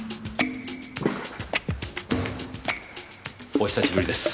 お久しぶりです。